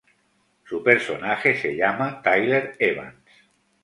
Su personaje se llama Tyler Evans.